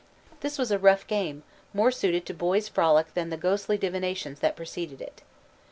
This was a rough game, more suited to boys' frolic than the ghostly divinations that preceded it.